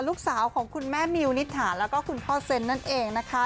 ลูกสาวของคุณแม่มิวนิษฐาแล้วก็คุณพ่อเซ็นนั่นเองนะคะ